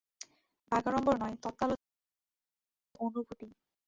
বাগাড়ম্বর নয়, তত্ত্বালোচনা নয়, যুক্তিতর্ক নয়, চাই অনুভূতি।